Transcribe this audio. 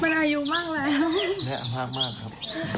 เป็นอายุมากแล้ว